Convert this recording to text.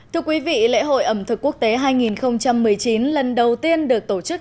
thưa quý vị lễ hội ẩm thực quốc tế hai nghìn một mươi chín lần đầu tiên được tổ chức